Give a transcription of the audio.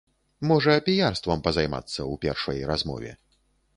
Можа піярствам пазаймацца у першай размове.